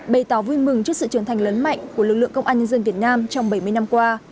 bày tỏ vui mừng trước sự trưởng thành lớn mạnh của lực lượng công an nhân dân việt nam trong bảy mươi năm qua